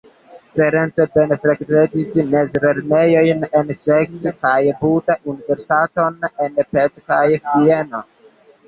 Ferenc Bene frekventis mezlernejojn en Szeged kaj Buda, universitaton en Pest kaj Vieno.